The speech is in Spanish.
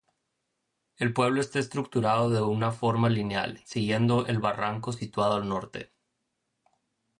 El pueblo está estructurado de una forma lineal, siguiendo el barranco situado al norte.